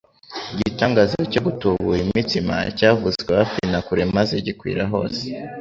Igitangaza cyo gutubura imitsima, cyavuzwe hafi na kure maze gikwira hose,